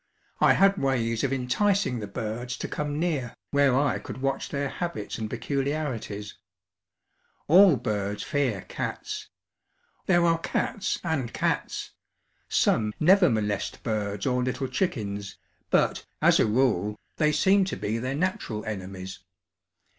I had ways of enticing the birds to come near where I could watch their habits and peculiarities. All birds fear cats. There are cats and cats some never molest birds or little chickens, but, as a rule, they seem to be their natural enemies.